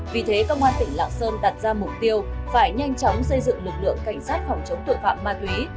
vì thế công an tỉnh lạng sơn đặt ra mục tiêu phải nhanh chóng xây dựng lực lượng cảnh sát phòng chống tội phạm ma túy